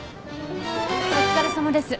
お疲れさまです。